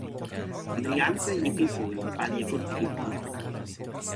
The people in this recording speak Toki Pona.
ona li alasa e ike pu, li pali e kulupu pi pona ona.